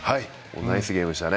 ナイスゲームでした。